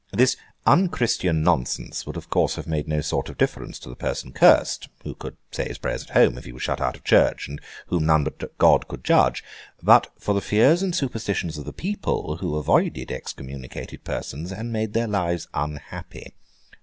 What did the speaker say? This unchristian nonsense would of course have made no sort of difference to the person cursed—who could say his prayers at home if he were shut out of church, and whom none but God could judge—but for the fears and superstitions of the people, who avoided excommunicated persons, and made their lives unhappy.